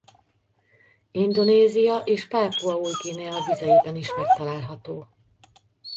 Indonézia és Pápua Új-Guinea vizeiben is megtalálható.